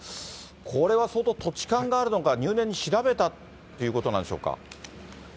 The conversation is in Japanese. これは相当、土地勘があるのか、入念に調べたっていうことなんでしょうか。